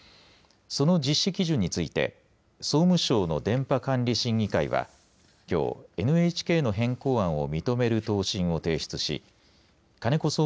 その実施基準について総務省の電波監理審議会はきょうＮＨＫの変更案を認める答申を提出し金子